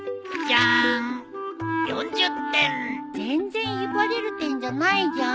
全然威張れる点じゃないじゃん。